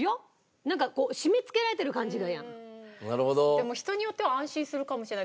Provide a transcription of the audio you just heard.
でも人によっては安心するかもしれない。